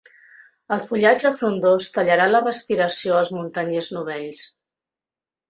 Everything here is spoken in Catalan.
Ell fullatge frondós tallarà la respiració als muntanyers novells.